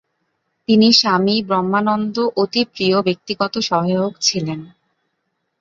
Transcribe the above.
তিনি স্বামী ব্রহ্মানন্দ অতি প্রিয় ব্যক্তিগত সহায়ক ছিলেন।